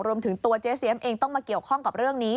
รวมถึงตัวเจ๊เสียมเองต้องมาเกี่ยวข้องกับเรื่องนี้